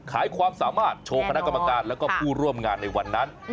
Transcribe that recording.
ขายความสามารถโชว์คณะกรรมการแล้วก็ผู้ร่วมงานในวันนั้น